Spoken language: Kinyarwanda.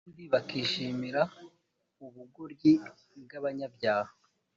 kandi bakishimira ubugoryi bw’abanyabyaha